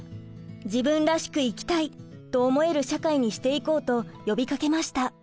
「自分らしく生きたい！」と思える社会にしていこうと呼びかけました。